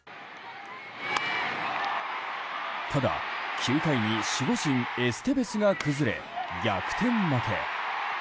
ただ９回に守護神エステベスが崩れ、逆転負け。